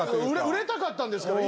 売れたかったんですから。